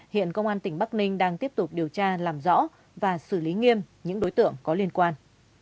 hiện công an tỉnh bắc ninh đang tiếp tục điều tra làm rõ và xử lý nghiêm những đối tượng có liên quan